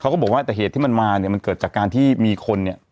ก็บอกว่าแต่เหตุที่มันมาเนี่ยมันเกิดจากการที่มีคนเนี่ย